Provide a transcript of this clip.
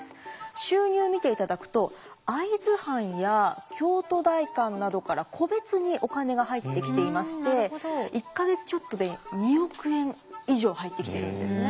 収入見ていただくと会津藩や京都代官などから個別にお金が入ってきていまして１か月ちょっとで２億円以上入ってきているんですね。